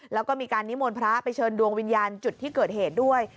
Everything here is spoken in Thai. แล้วก็มีการนิมนต์พระไปเชิญดวงวิญญาณจุดที่เกิดเหตุด้วย